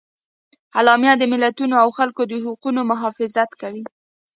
اعلامیه د ملتونو او خلکو د حقونو محافظت کوي.